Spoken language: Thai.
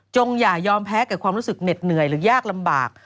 อย่ายอมแพ้กับความรู้สึกเหน็ดเหนื่อยหรือยากลำบาก